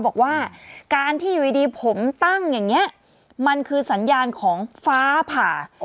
บอกว่าการที่อยู่ดีผมตั้งอย่างนี้มันคือสัญญาณของฟ้าผ่า